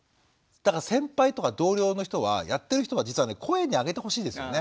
先輩とか同僚の人はやってる人は声に上げてほしいですよね。